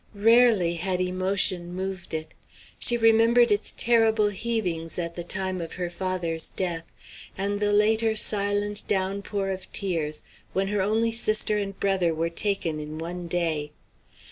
Rarely had emotion moved it. She remembered its terrible heavings at the time of her father's death, and the later silent downpour of tears when her only sister and brother were taken in one day.